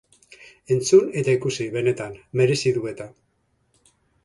Entzun eta ikusi, benetan, merezi du eta.